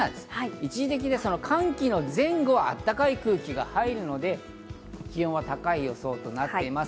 一時的で寒気の前後はあったかい空気が入るので、気温は高い予想となっています。